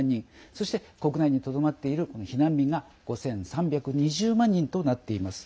そして、国内にとどまっている避難民が５３２０万人となっています。